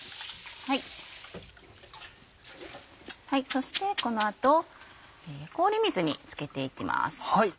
そしてこの後氷水につけていきます。